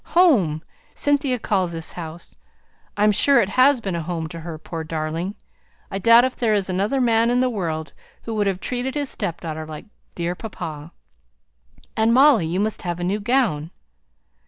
'Home' Cynthia calls this house. I'm sure it has been a home to her, poor darling! I doubt if there is another man in the world who would have treated his step daughter like dear papa! And, Molly, you must have a new gown."